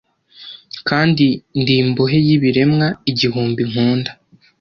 kandi ndi imbohe y'ibiremwa igihumbi nkunda